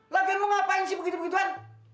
lagi lo ngapain sih begitu begituan